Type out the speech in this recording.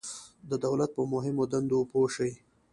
د دولت په مهمو دندو پوه شئ.